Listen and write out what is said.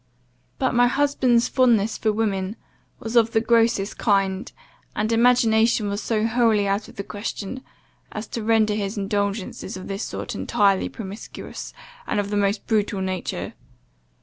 But my husband's fondness for women was of the grossest kind, and imagination was so wholly out of the question, as to render his indulgences of this sort entirely promiscuous, and of the most brutal nature.